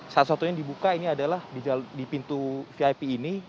salah satunya yang dibuka ini adalah di pintu vip ini